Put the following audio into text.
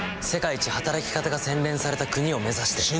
世界一、働き方が洗練された国を目指して。